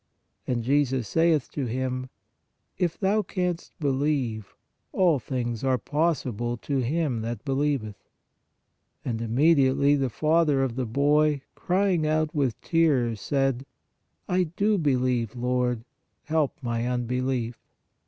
And Jesus saith to him : If thou canst believe, all things are possible to him that believeth. And immedi ately the father of the boy, crying out with tears, said: I do believe; Lord, help my unbelief.